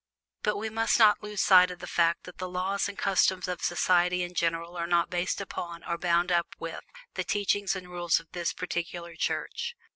But we must not lose sight of the fact that the laws and customs of society in general are not based upon, or bound up with, the teachings and rules of this particular Church.